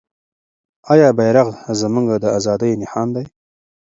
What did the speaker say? آیا بیرغ زموږ د ازادۍ نښان نه دی؟